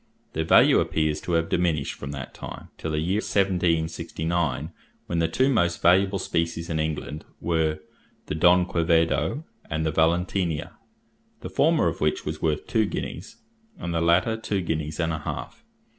Their value appears to have diminished from that time till the year 1769, when the two most valuable species in England were the Don Quevedo and the Valentinier, the former of which was worth two guineas and the latter two guineas and a half.